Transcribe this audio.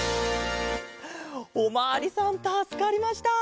おまわりさんたすかりました。